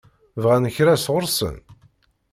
Bɣan kra sɣur-sen?